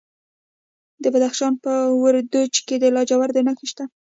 د بدخشان په وردوج کې د لاجوردو نښې شته.